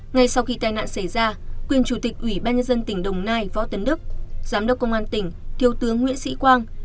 ngay sau khi tai nạn xảy ra quyền chủ tịch ubnd tỉnh đồng nai phó tấn đức giám đốc công an tỉnh thiếu tướng nguyễn sĩ quang